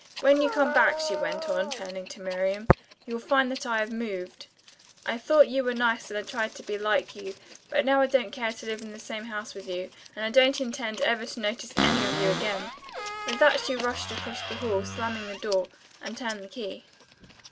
When you come back," she went on, turning to Miriam, "you'll find that I've moved. I thought you were nice and I tried to be like you, but now I don't care to live in the same house with you, and I don't intend ever to notice any of you again. With that she rushed across the hall, slammed the door, and turned the key.